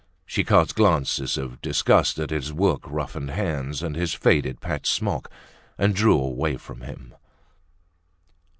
She cast glances of disgust at his work roughened hands and his faded, patched smock, and drew away from him.